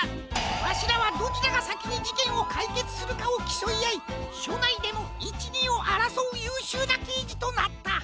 わしらはどちらがさきにじけんをかいけつするかをきそいあいしょないでも１２をあらそうゆうしゅうなけいじとなった。